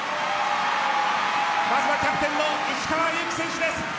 まずはキャプテンの石川祐希選手です。